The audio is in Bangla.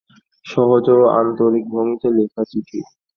সহজ এবং আন্তরিক ভঙ্গিতে লেখা চিঠি।